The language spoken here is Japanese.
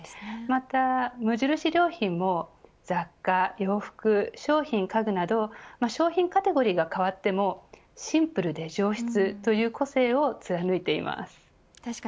また、無印良品も雑貨、洋服、商品家具など商品カテゴリーが変わってもシンプルで上質という個性を貫いています。